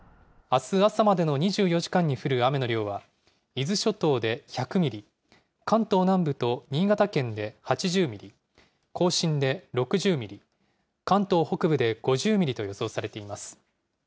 あす朝までの２４時間に降る雨の量は、伊豆諸島で１００ミリ、関東南部と新潟県で８０ミリ、甲信で６０ミリ、関東北部で５０ミリと予想されています。